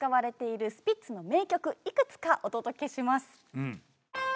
幾つかお届けします。